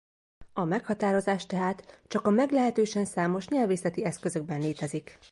A meghatározás tehát csak a meglehetősen számos nyelvészeti eszközökben létezik.